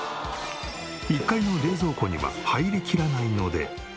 １階の冷蔵庫には入りきらないので。